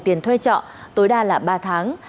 tiền thuê trọ tối đa là ba tháng